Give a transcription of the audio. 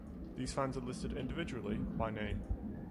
These fans are listed individually, by name.